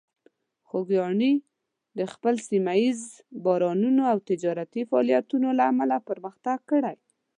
خوږیاڼي د خپل سیمه ییز بازارونو او تجارتي فعالیتونو له امله پرمختګ کړی.